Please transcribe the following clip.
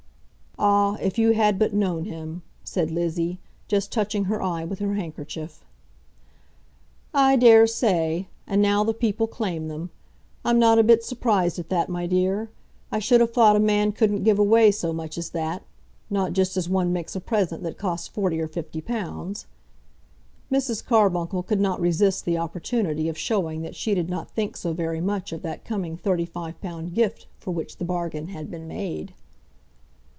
"Ah, if you had but known him!" said Lizzie, just touching her eye with her handkerchief. "I daresay. And now the people claim them. I'm not a bit surprised at that, my dear. I should have thought a man couldn't give away so much as that, not just as one makes a present that costs forty or fifty pounds." Mrs. Carbuncle could not resist the opportunity of showing that she did not think so very much of that coming thirty five pound "gift" for which the bargain had been made.